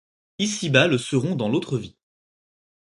ici-bas le seront dans l’autre vie.